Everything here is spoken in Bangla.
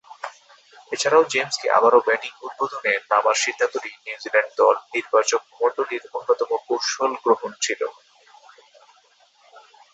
এছাড়াও, জেমসকে আবারও ব্যাটিং উদ্বোধনে নামার সিদ্ধান্তটি নিউজিল্যান্ড দল নির্বাচকমণ্ডলীর অন্যতম কৌশল গ্রহণ ছিল।